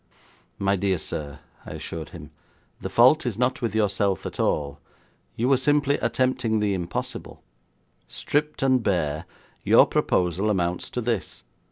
'My dear sir,' I assured him, 'the fault is not with yourself at all. You were simply attempting the impossible. Stripped and bare, your proposal amounts to this.